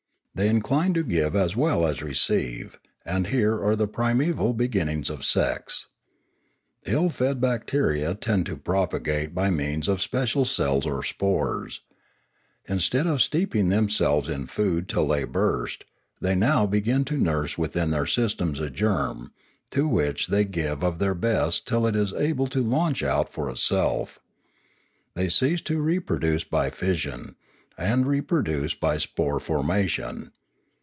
They incline to give as well as receive, and here are the primeval beginnings of sex. Ill fed bacteria tend to 448 Limanora propagate by means of special cells or spores. Instead of steeping themselves in food till they burst, they now begin to nurse within their systems a germ, to which they give of their best till it is able to launch out for itself; they cease to reproduce by fission, and reproduce by spore formation.